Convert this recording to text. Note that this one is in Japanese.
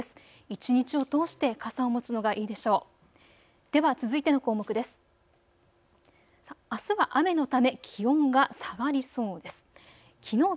一日を通して傘を持つのがいいでしょう。